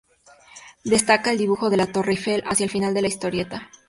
Destaca el dibujo de la Torre Eiffel hacia el final de la historieta.